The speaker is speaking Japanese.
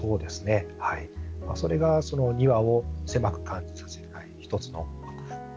それが、庭を狭く感じさせない１つの工夫。